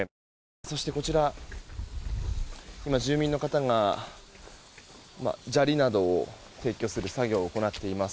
そしてこちら、住民の方が砂利などを撤去する作業を行っています。